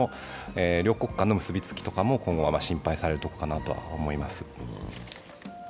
両国間の結びつきも今後は心配されるところかなと思います。